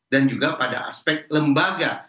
dan juga pada aspek lembaga